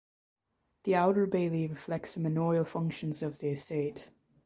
The outer bailey reflects the manorial functions of the estate.